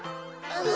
うん。